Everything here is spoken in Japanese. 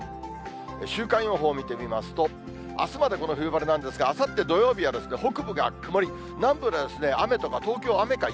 週間予報見てみますと、あすまでこの冬晴れなんですが、あさって土曜日は、北部が曇り、南部では雨とか、東京は雨か雪。